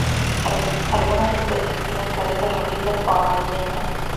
Algunas especies tienen cabezas rojizas o amarillentas.